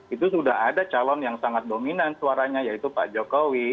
itu sudah ada calon yang sangat dominan suaranya yaitu pak jokowi